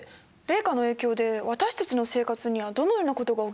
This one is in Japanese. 冷夏の影響で私たちの生活にはどのようなことが起きるんですか？